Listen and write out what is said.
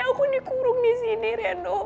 aku dikurung disini reno